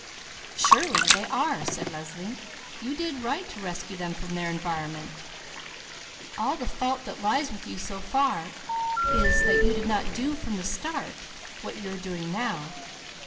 "Surely they are!" said Leslie. "You did right to rescue them from their environment; all the fault that lies with you so far is, that you did not do from the start what you are now doing.